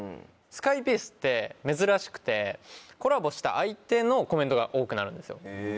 スカイピースって珍しくてコラボした相手のコメントが多くなるんですよ。